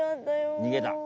逃げた。